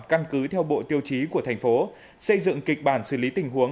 căn cứ theo bộ tiêu chí của thành phố xây dựng kịch bản xử lý tình huống